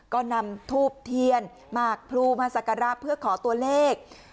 ก็นำทูบเทียนหมากพลูมาสักการะเพื่อขอตัวเลข